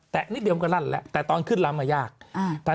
แต่นิดเดียวกันลั่นแล้วแต่ตอนขึ้นลำอ่ะยากอ้า